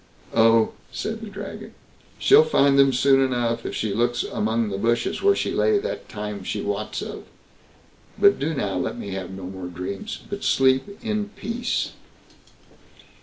"Oh", said the Dragon, "she'll find them soon enough if she looks among the bushes where she lay that time she wots of. But do now let me have no more dreams, but sleep in peace."